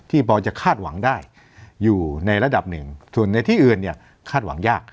บอยจะคาดหวังได้อยู่ในระดับหนึ่งส่วนในที่อื่นเนี่ยคาดหวังยาก